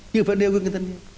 chỉ phải nêu gương cho thanh niên